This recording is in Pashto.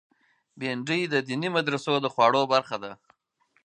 بېنډۍ د دیني مدرسو د خواړو برخه ده